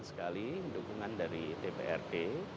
sekali dukungan dari dprd